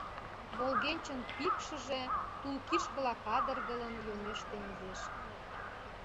Волгенчын пикшыже, тул кишкыла кадыргылын, йомеш теҥызеш.